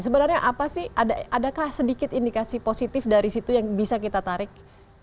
sebenarnya apa sih adakah sedikit indikasi positif dari situ yang bisa kita tarik